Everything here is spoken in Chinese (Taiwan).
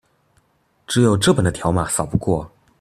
只有這本的條碼掃不過